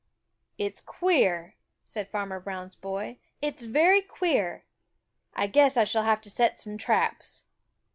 "It's queer," said Farmer Brown's boy. "It's very queer! I guess I shall have to set some traps."